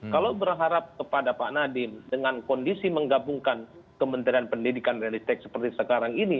kalau berharap kepada pak nadiem dengan kondisi menggabungkan kementerian pendidikan dan ristek seperti sekarang ini